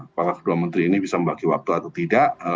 apakah kedua menteri ini bisa membagi waktu atau tidak